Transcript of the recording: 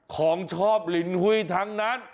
ของชอบลินหุ้ยทั้งนั้น